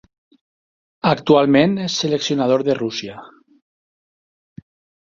Actualment és seleccionador de Rússia.